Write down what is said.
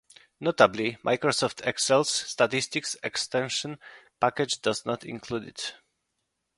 Notably, Microsoft Excel's statistics extension package does not include it.